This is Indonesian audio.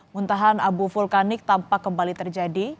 muntahan abu vulkanik tampak kembali terjadi